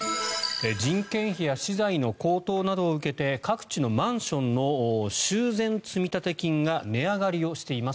人件費や資材の高騰などを受けて各地のマンションの修繕積立金が値上がりをしています。